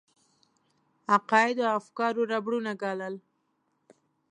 عقایدو او افکارو ربړونه ګالل.